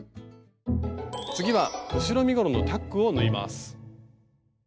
次は後ろ身ごろのタックを縫います。